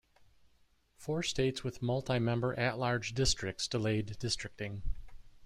Four states with multi-member at-large districts delayed districting.